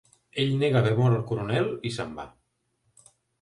Ell nega haver mort el coronel i se'n va.